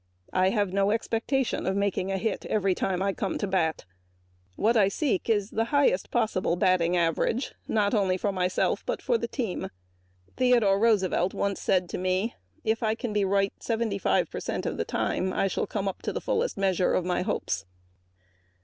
I have no expectation of making a hit every time I come to bat. What I seek is the highest possible batting average, not only for myself but for the team. Theodore Roosevelt once said to me: "If I can be right 75 percent of the time I shall come up to the fullest measure of my hopes."